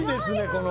この。